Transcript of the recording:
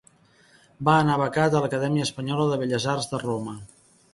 Va anar becat a l'Acadèmia Espanyola de Belles Arts de Roma.